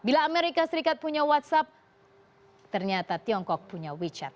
bila amerika serikat punya whatsapp ternyata tiongkok punya wechat